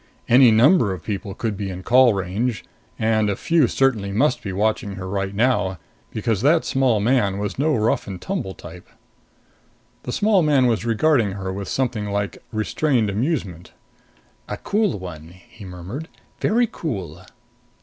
Any number of people could be in call range and a few certainly must be watching her right now, because that small man was no rough and tumble type. The small man was regarding her with something like restrained amusement. "A cool one," he murmured. "Very cool!"